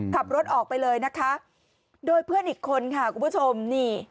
ขับรถออกไปเลยนะคะโดยเพื่อนอีกคนค่ะคุณผู้ชมนี่